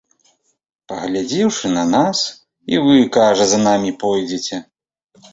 Паглядзеўшы на нас, і вы, кажа, за намі пойдзеце.